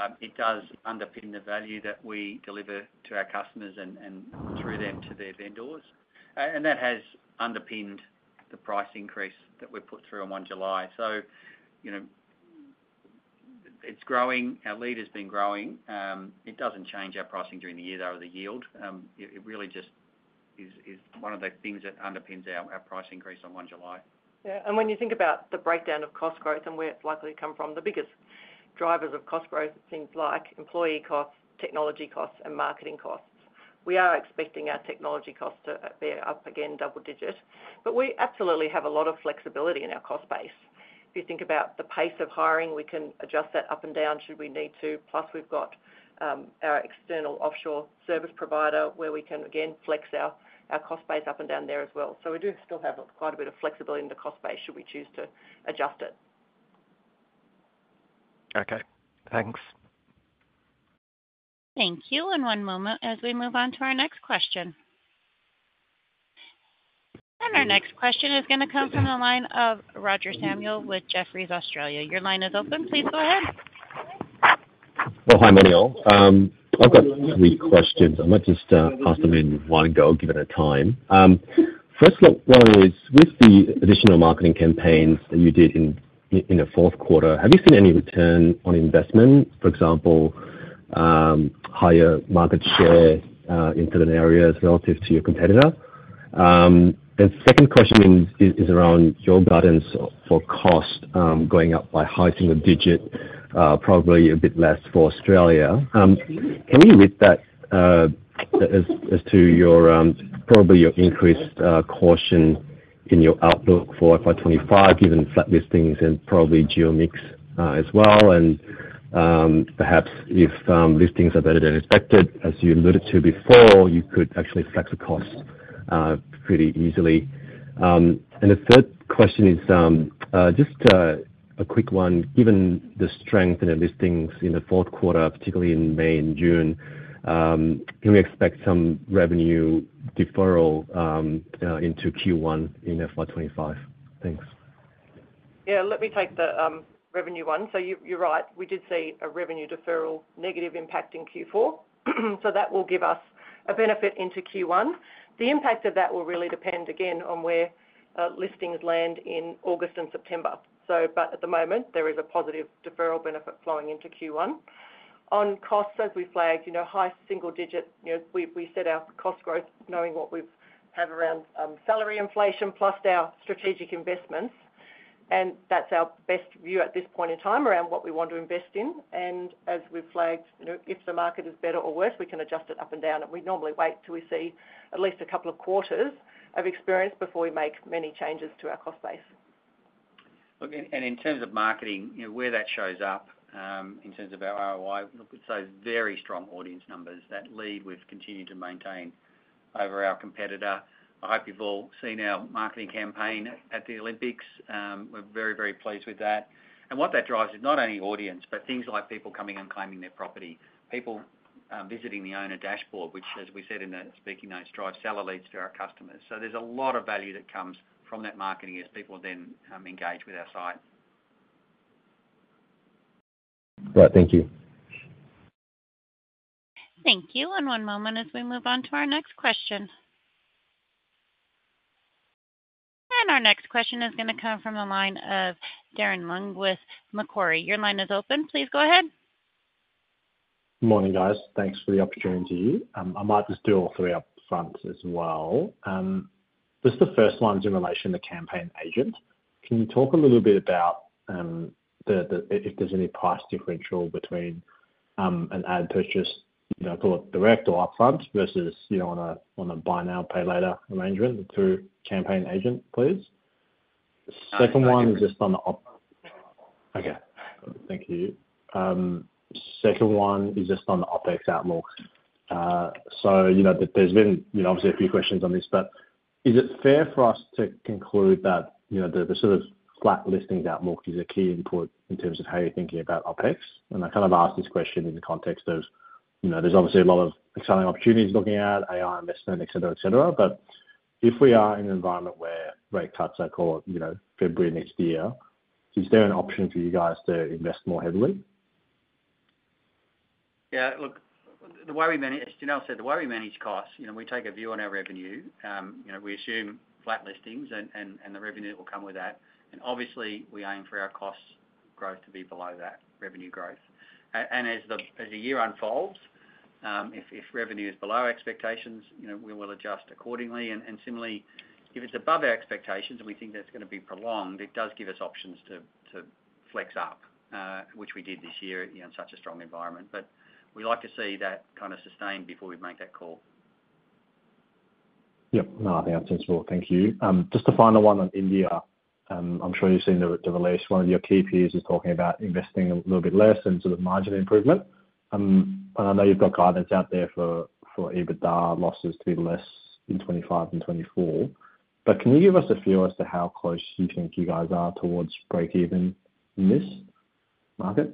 months. It does underpin the value that we deliver to our customers and through them to their vendors. And that has underpinned the price increase that we put through on 1 July. So, you know, it's growing. Our lead has been growing. It doesn't change our pricing during the year, though, the yield. It really just is one of the things that underpins our price increase on 1 July. Yeah, and when you think about the breakdown of cost growth and where it's likely to come from, the biggest drivers of cost growth are things like employee costs, technology costs, and marketing costs. We are expecting our technology costs to be up again double-digit, but we absolutely have a lot of flexibility in our cost base. If you think about the pace of hiring, we can adjust that up and down should we need to, plus we've got our external offshore service provider, where we can again flex our cost base up and down there as well. So we do still have quite a bit of flexibility in the cost base should we choose to adjust it. Okay, thanks. Thank you. One moment as we move on to our next question. Our next question is gonna come from the line of Roger Samuel with Jefferies Australia. Your line is open. Please go ahead. Well, hi, Janelle. I've got three questions. I might just ask them in one go, given the time. First one is, with the additional marketing campaigns that you did in the fourth quarter, have you seen any return on investment? For example, higher market share into the areas relative to your competitor? The second question is around your guidance for cost going up by high single digit, probably a bit less for Australia. Can you lift that as to your probably your increased caution in your outlook for FY25, given flat listings and probably geo mix as well? And perhaps if listings are better than expected, as you alluded to before, you could actually flex the cost pretty easily. The third question is, just a quick one. Given the strength in the listings in the fourth quarter, particularly in May and June, can we expect some revenue deferral into Q1 in FY25? Thanks. Yeah, let me take the revenue one. So you're right, we did see a revenue deferral negative impact in Q4, so that will give us a benefit into Q1. The impact of that will really depend, again, on where listings land in August and September. So but at the moment, there is a positive deferral benefit flowing into Q1. On costs, as we flagged, you know, high single digit, you know, we set our cost growth knowing what we've had around salary inflation, plus our strategic investments. And that's our best view at this point in time around what we want to invest in. As we've flagged, you know, if the market is better or worse, we can adjust it up and down, and we'd normally wait till we see at least a couple of quarters of experience before we make many changes to our cost base. Look, and in terms of marketing, you know, where that shows up in terms of our ROI, look, so very strong audience numbers. That lead we've continued to maintain over our competitor. I hope you've all seen our marketing campaign at the Olympics. We're very, very pleased with that. And what that drives is not only audience, but things like people coming and claiming their property, people visiting the owner dashboard, which, as we said in the speaking notes, drives seller leads to our customers. So there's a lot of value that comes from that marketing as people then engage with our site. Right. Thank you. Thank you, and one moment as we move on to our next question. Our next question is gonna come from the line of Darren Leung with Macquarie. Your line is open. Please go ahead. Good morning, guys. Thanks for the opportunity. I might just do all three up front as well. Just the first one is in relation to CampaignAgent. Can you talk a little bit about the if there's any price differential between an ad purchase, you know, call it direct or upfront, versus, you know, on a buy now, pay later arrangement through CampaignAgent, please? Second one is just on the op- Okay, thank you. Second one is just on the OpEx outlook. So, you know, there's been, you know, obviously a few questions on this, but is it fair for us to conclude that, you know, the, the sort of flat listings outlook is a key input in terms of how you're thinking about OpEx? And I kind of ask this question in the context of, you know, there's obviously a lot of exciting opportunities looking at AI, investment, et cetera, et cetera, but if we are in an environment where rate cuts are called, you know, February next year, is there an option for you guys to invest more heavily? Yeah, look, the way we manage. As Janelle said, the way we manage costs, you know, we take a view on our revenue. You know, we assume flat listings and the revenue that will come with that. And obviously, we aim for our cost growth to be below that revenue growth. And as the year unfolds, if revenue is below expectations, you know, we will adjust accordingly. And similarly, if it's above our expectations and we think that's gonna be prolonged, it does give us options to flex up, which we did this year, you know, in such a strong environment. But we like to see that kind of sustained before we make that call. Yep. No, I think that's sensible. Thank you. Just the final one on India. I'm sure you've seen the release. One of your key peers is talking about investing a little bit less into the margin improvement. I know you've got guidance out there for EBITDA losses to be less in 2025 and 2024, but can you give us a feel as to how close you think you guys are towards breakeven in this market?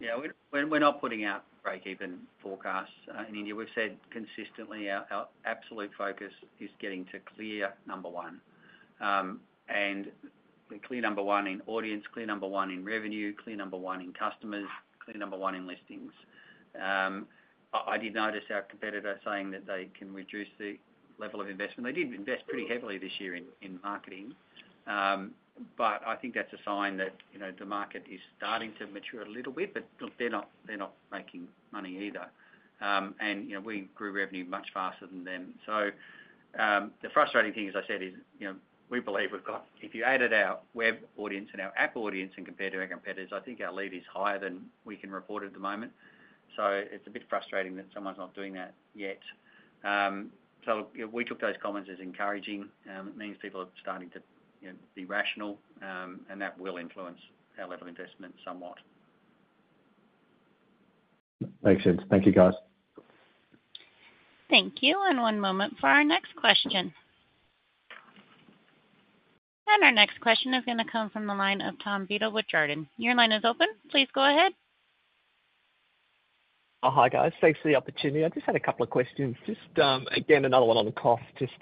Yeah, we're not putting out breakeven forecasts. In India, we've said consistently our absolute focus is getting to clear number one. And clear number one in audience, clear number one in revenue, clear number one in customers, clear number one in listings. I did notice our competitor saying that they can reduce the level of investment. They did invest pretty heavily this year in marketing. But I think that's a sign that, you know, the market is starting to mature a little bit, but look, they're not making money either. And, you know, we grew revenue much faster than them. So, the frustrating thing, as I said, is, you know, we believe we've got. If you added our web audience and our app audience and compared to our competitors, I think our lead is higher than we can report at the moment. So it's a bit frustrating that someone's not doing that yet. So, you know, we took those comments as encouraging. It means people are starting to, you know, be rational, and that will influence our level of investment somewhat. Makes sense. Thank you, guys. Thank you, and one moment for our next question. Our next question is gonna come from the line of Tom Beadle with Jarden. Your line is open. Please go ahead. Oh, hi, guys. Thanks for the opportunity. I just had a couple of questions. Just, again, another one on the cost, just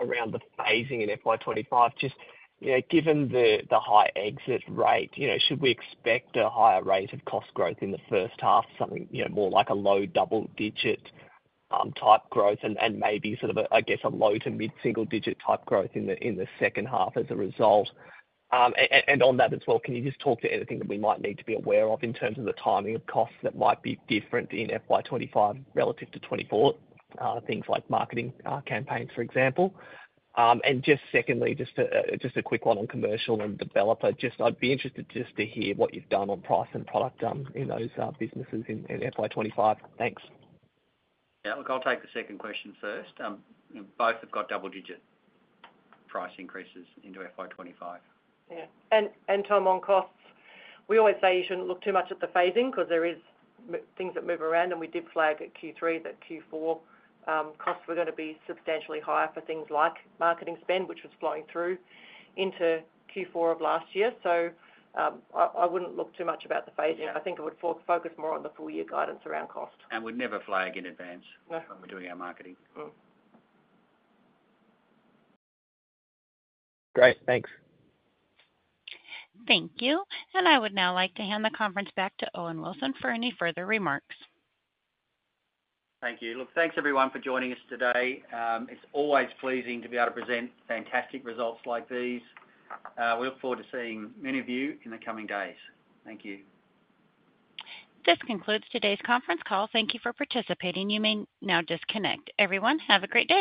around the phasing in FY25. Just, you know, given the, the high exit rate, you know, should we expect a higher rate of cost growth in the first half? Something, you know, more like a low double-digit type growth and, and maybe sort of a, I guess, a low- to mid-single-digit type growth in the, in the second half as a result. And on that as well, can you just talk to anything that we might need to be aware of in terms of the timing of costs that might be different in FY25 relative to 2024? Things like marketing, campaigns, for example. And just secondly, just a quick one on commercial and developer. Just I'd be interested just to hear what you've done on price and product, in those businesses in FY25. Thanks. Yeah, look, I'll take the second question first. Both have got double digit price increases into FY25. Yeah. And Tom, on costs, we always say you shouldn't look too much at the phasing, 'cause there are many things that move around, and we did flag at Q3 that Q4 costs were gonna be substantially higher for things like marketing spend, which was flowing through into Q4 of last year. So, I wouldn't look too much about the phasing. I think it would focus more on the full year guidance around cost. And we'd never flag in advance- No -when we're doing our marketing. Great. Thanks. Thank you. I would now like to hand the conference back to Owen Wilson for any further remarks. Thank you. Look, thanks, everyone, for joining us today. It's always pleasing to be able to present fantastic results like these. We look forward to seeing many of you in the coming days. Thank you. This concludes today's conference call. Thank you for participating. You may now disconnect. Everyone, have a great day.